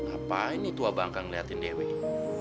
apa ini tua bangka ngeliatin dewi